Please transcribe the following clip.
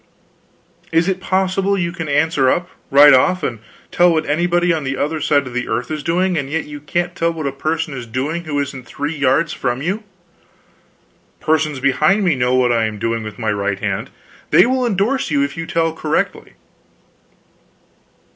Is it possible you can answer up, right off, and tell what anybody on the other side of the earth is doing, and yet can't tell what a person is doing who isn't three yards from you? Persons behind me know what I am doing with my right hand they will indorse you if you tell correctly."